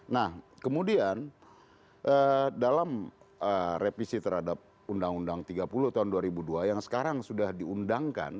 nah kemudian dalam revisi terhadap undang undang tiga puluh tahun dua ribu dua yang sekarang sudah diundangkan